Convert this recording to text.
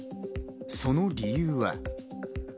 その理由は。